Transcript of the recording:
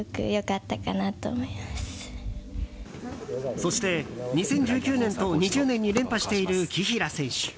そして、２０１９年と２０年に連覇している紀平選手。